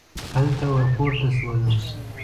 هلته ور پورته شولو.